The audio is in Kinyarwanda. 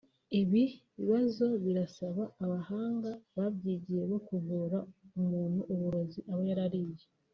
Ibi bibazo birasaba abahanga babyigiye bo kuvura umuntu uburozi aba yarariye